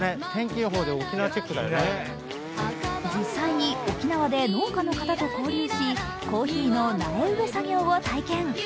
実際に沖縄で農家の方と交流しコーヒーの苗植え作業を体験。